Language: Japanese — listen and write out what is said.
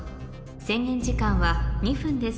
制限時間は２分です